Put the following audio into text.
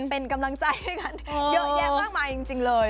เป็นกำลังใจให้กันเยอะแยะมากมายจริงเลย